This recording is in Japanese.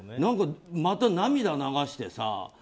また涙流してさ。